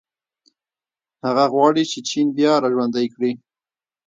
هغه غواړي چې چین بیا راژوندی کړي.